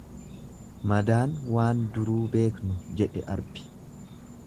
Madaan waan duruu beeknu jedhe arbi.